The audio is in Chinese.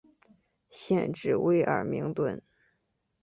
县治威尔明顿。